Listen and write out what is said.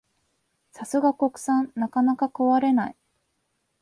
さすが国産、なかなか壊れない